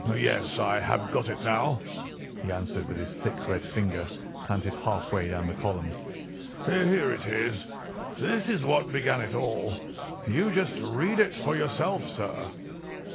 "Yes, I have got it now," he answered with his thick red finger planted halfway down the column. "Here it is. This is what began it all. You just read it for yourself, sir."